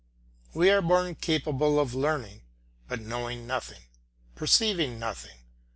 We are born capable of learning, but knowing nothing, perceiving nothing.